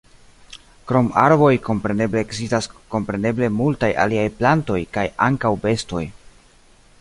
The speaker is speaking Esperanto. Krom arboj kompreneble ekzistas kompreneble multaj aliaj plantoj kaj ankaŭ bestoj.